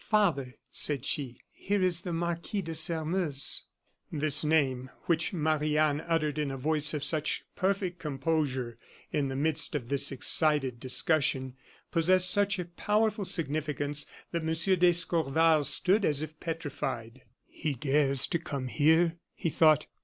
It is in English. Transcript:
"Father," said she, "here is the Marquis de Sairmeuse." This name, which Marie Anne uttered in a voice of such perfect composure, in the midst of this excited discussion, possessed such a powerful significance, that M. d'Escorval stood as if petrified. "He dares to come here!" he thought.